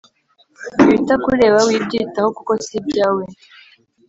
ibitakureba wibyitaho kuko sibyawe